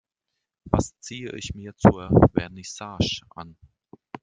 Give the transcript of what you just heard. Was ziehe ich mir zur Vernissage an?